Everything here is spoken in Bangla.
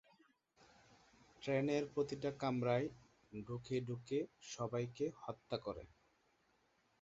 ট্রেনের প্রতিটা কামরায় ঢুকে ঢুকে সবাইকে হত্যা করে।